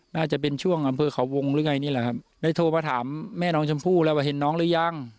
น่าจะเป็นช่วงอำเภอเขาวงหรือไงนี่แหละครับได้โทรมาถามแม่น้องชมพู่แล้วว่าเห็นน้องหรือยัง